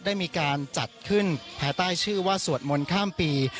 ได้มีการจัดขึ้นภายใต้ชื่อว่าสวดมนต์ข้ามปี